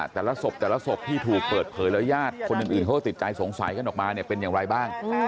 แต่ละศพแต่ละศพที่ถูกเปิดเผยแล้วญาติคนอื่นเขาก็ติดใจสงสัยกันออกมาเนี่ยเป็นอย่างไรบ้าง